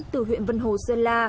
từ huyện vân hồ sơn la